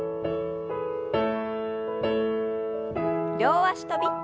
両脚跳び。